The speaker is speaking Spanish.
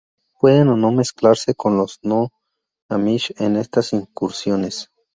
Pueden o no mezclarse con los no amish en estas incursiones.